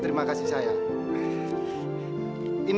terima kasih on